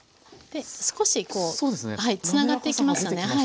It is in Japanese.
少しこうつながってきましたね。